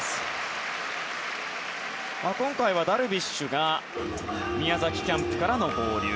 今回はダルビッシュが宮崎キャンプからの合流。